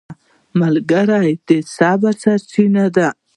ملګری د صبر سرچینه ده